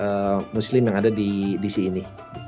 terutama oleh negara negara muslim yang ada di sini